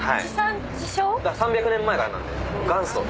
３００年前からなんで。